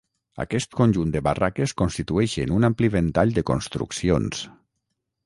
Aquest conjunt de barraques constitueixen un ampli ventall de construccions.